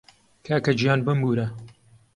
کاکەگیان بمبوورە